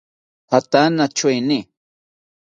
Jatana tyoeni